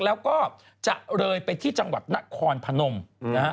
แล้วก็จะเลยไปที่จังหวัดนครพนมนะฮะ